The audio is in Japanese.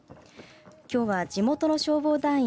きょうは地元の消防団員